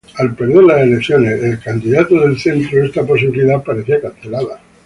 Al perder las elecciones el candidato de la izquierda esta posibilidad parecía cancelada.